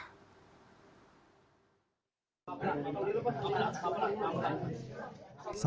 keterangan para penumpang sejak awal perjalanan bus sudah mengalami masalah